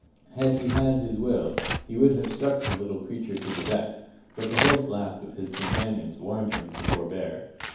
Had he had his will, he would have struck the little creature to the deck, but the hoarse laugh of his companions warned him to forbear.